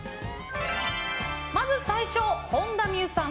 まず最初、本田望結さん